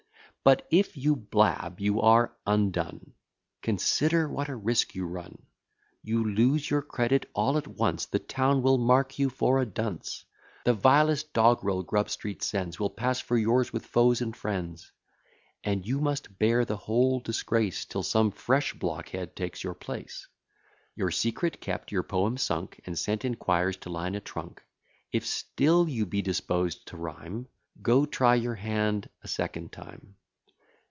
But if you blab, you are undone: Consider what a risk you run: You lose your credit all at once; The town will mark you for a dunce; The vilest dogg'rel Grub Street sends, Will pass for yours with foes and friends; And you must bear the whole disgrace, Till some fresh blockhead takes your place. Your secret kept, your poem sunk, And sent in quires to line a trunk, If still you be disposed to rhyme, Go try your hand a second time.